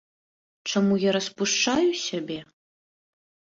Чаму я распушчаю сябе?